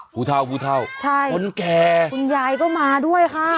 ผู้เท่าคนแก่ใช่คุณยายก็มาด้วยค่ะ